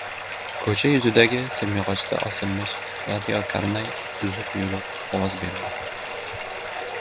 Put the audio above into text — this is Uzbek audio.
Ko‘cha yuzidagi simyog‘ochda osilmish radiokarnay uzuq-yuluq ovoz berdi: